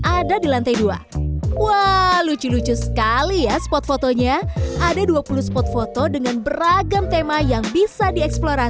ada di lantai dua wow lucu lucu sekali ya spot fotonya ada dua puluh spot foto dengan beragam tema